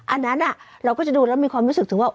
อันนั้นเราก็จะดูแล้วมีความรู้สึกถึงว่า